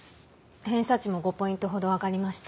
偏差値も５ポイントほど上がりました。